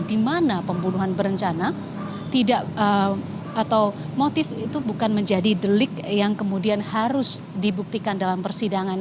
di mana pembunuhan berencana atau motif itu bukan menjadi delik yang kemudian harus dibuktikan dalam persidangan